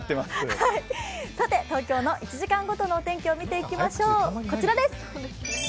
東京の１時間ごとのお天気を見ていきましょう、こちらです。